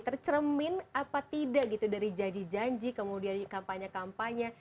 tercermin apa tidak gitu dari janji janji kemudian kampanye kampanye